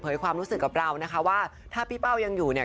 ความรู้สึกกับเรานะคะว่าถ้าพี่เป้ายังอยู่เนี่ย